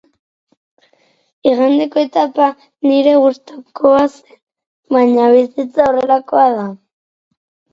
Igandeko etapa nire gustukoa zen, baina bizitza horrelakoa da.